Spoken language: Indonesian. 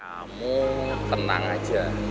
kamu tenang aja